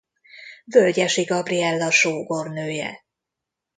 Völgyesi Gabriella sógornője.